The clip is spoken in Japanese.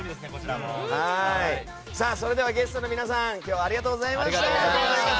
それではゲストの皆さん今日はありがとうございました。